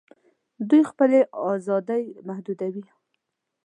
دوی خپلي آزادۍ محدودوي